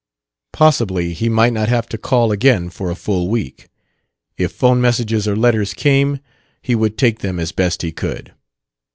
Possibly he might not have to call again for a full week. If 'phone messages or letters came, he would take them as best he could.